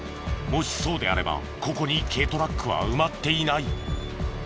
もしそうであればここに軽トラックは埋まっていない。